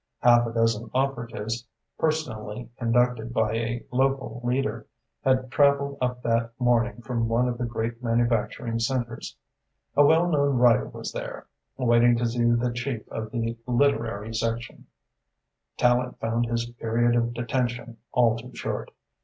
Half a dozen operatives, personally conducted by a local leader, had travelled up that morning from one of the great manufacturing centres. A well known writer was there, waiting to see the chief of the literary section. Tallente found his period of detention all too short.